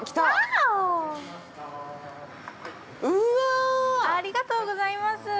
ありがとうございます。